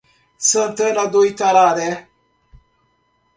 Santana do Itararé